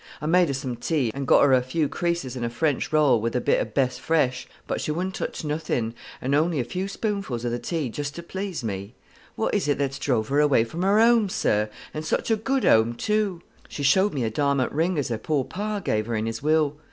I made her some tea, and got her a few creases and a French roll, with a bit of best fresh; but she wouldn't touch nothin', or only a few spoonfuls of the tea, just to please me. What is it that's drove her away from her 'ome, sir, and such a good 'ome too? She showed me a diamont ring as her pore par gave her in his will.